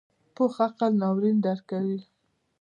پوخ عقل ناورین درکوي